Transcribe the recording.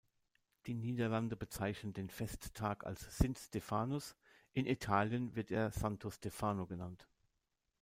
Die Niederlande bezeichnen den Festtag als "Sint-Stefanus", in Italien wird er "Santo Stefano" genannt.